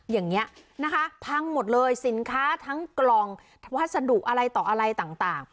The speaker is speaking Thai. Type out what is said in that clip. อย่างนี้นะคะพังหมดเลยสินค้าทั้งกล่องพัสดุอะไรต่ออะไรต่าง